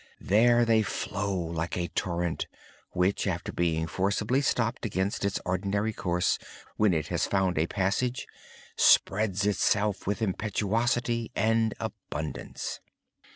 There they flow like a torrent, which, after being forcibly stopped against its ordinary course, when it has found a passage, spreads itself with impetuosity and abundance.